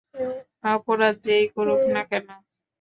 অপরাধ যেই করুক না কেন।